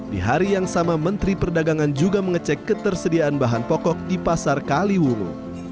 di hari yang sama menteri perdagangan juga mengecek ketersediaan bahan pokok di pasar kaliwungu